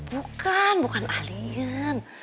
bukan bukan alien